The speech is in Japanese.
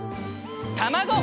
たまご！